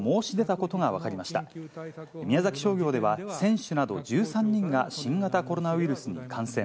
商業では選手など１３人が新型コロナウイルスに感染。